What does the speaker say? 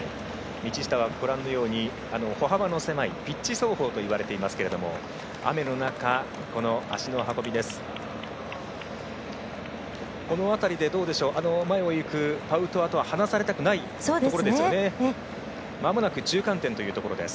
道下は歩幅の狭いピッチ走法といわれていますが雨の中の足の運びです。